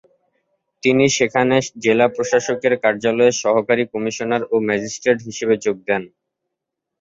তিনি সেখানে জেলা প্রশাসকের কার্যালয়ে সহকারী কমিশনার ও ম্যাজিস্ট্রেট হিসেবে যোগ দেন।